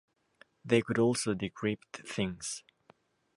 They could also decrypt things.